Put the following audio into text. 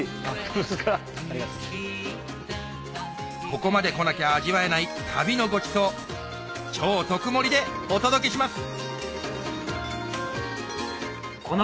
ここまで来なきゃ味わえない旅のごちそう超特盛りでお届けします